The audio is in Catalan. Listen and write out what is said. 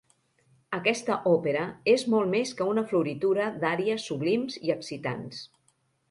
Aquesta òpera és molt més que una floritura d'àries sublims i excitants.